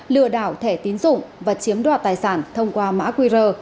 lừa đảo thẻ tín dụng và chiếm đoạt tài sản thông qua mã qr